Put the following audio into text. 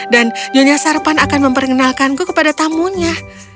nyonya sarpan akan memperkenalkanku kepada tamunya